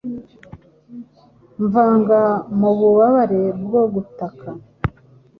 Mvanga mububabare bwo gutaka,